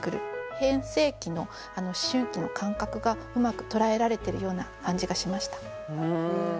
変声期の思春期の感覚がうまく捉えられてるような感じがしました。